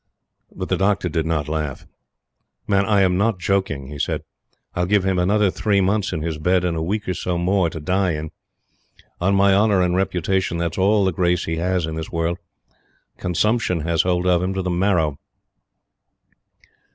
But the doctor did not laugh "Man, I'm not joking," he said. "I'll give him another three months in his bed and a week or so more to die in. On my honor and reputation that's all the grace he has in this world. Consumption has hold of him to the marrow."